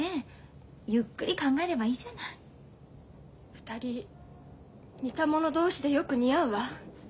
２人似た者同士でよく似合うわ。